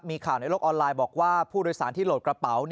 มีข่าวในโลกออนไลน์บอกว่าผู้โดยสารที่โหลดกระเป๋า